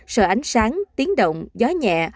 sợ ánh sáng tiếng động gió nhẹ